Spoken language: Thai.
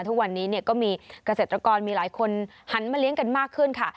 ทุกวันนี้ก็มีเกษตรกรมีหลายคนหันมาเลี้ยงกันมากขึ้นค่ะ